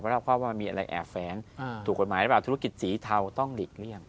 เพราะเราความว่ามีอะไรแอบแฝงถูกกฎหมายได้ป่ะธุรกิจสีเทาต้องหลีกเลี่ยง